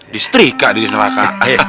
distrika di neraka